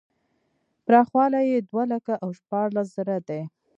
پراخوالی یې دوه لکه او شپاړس زره دی.